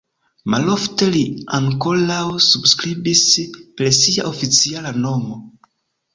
Malofte li ankoraŭ subskribis per sia oficiala nomo.